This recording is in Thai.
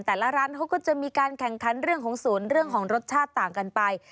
แต่ละร้านเขาก็จะมีการแข่งขันเรื่องของศูนย์เรื่องของรสชาติต่างกันไป